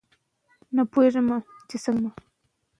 ښوونځې تللې مور د کور نظم ساتي.